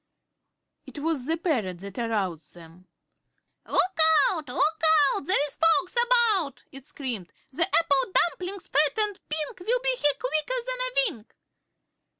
It was the parrot that aroused them. "Look out look out There's folks about!" it screamed; "The apple dumplings, fat and pink, Will be here quicker than a wink!"